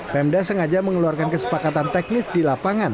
pemda sengaja mengeluarkan kesepakatan teknis di lapangan